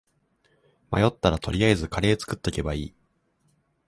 迷ったら取りあえずカレー作っとけばいい